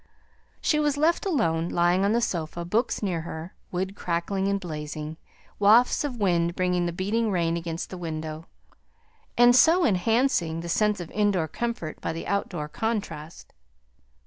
She was left alone, lying on the sofa books near her, wood crackling and blazing, wafts of wind bringing the beating rain against the window, and so enhancing the sense of indoor comfort by the outdoor contrast.